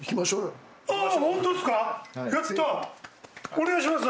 お願いします。